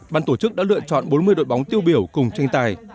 ban tổ chức đã lựa chọn bốn mươi đội bóng tiêu biểu cùng tranh tài